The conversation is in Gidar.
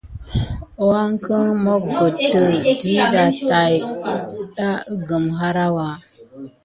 Wangeken moggoktə diɗa day tat əgəm harawa.